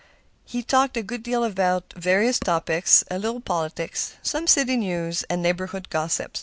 He talked a good deal on various topics, a little politics, some city news and neighborhood gossip.